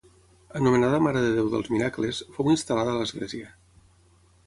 Anomenada Mare de Déu dels Miracles, fou instal·lada a l'església.